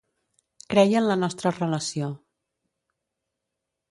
Creia en la nostra relació.